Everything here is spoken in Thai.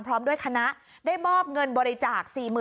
พร้อมด้วยคณะได้มอบเงินบริจาค๔๐๐๐